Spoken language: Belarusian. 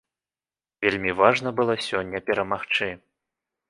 Вельмі важна было сёння перамагчы.